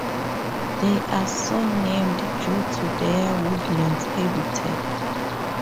They are so named due to their woodlands habitat.